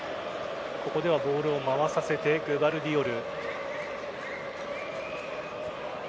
ここではボールを回させてグヴァルディオル。